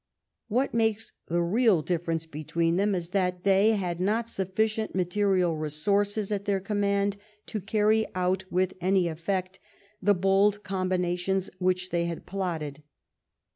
What makes the real diflference between them is, that they had not sufficient material resources at their command to carry out with any effect the bold combinations which they had plotted.